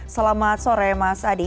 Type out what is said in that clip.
selamat sore mas adi